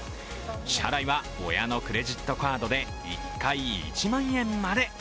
支払いは親のクレジットカードで１回１万円まで。